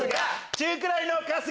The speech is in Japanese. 中くらいの春日。